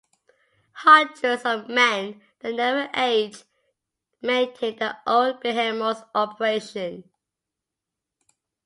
Hundreds of men that never age maintain the old behemoth's operation.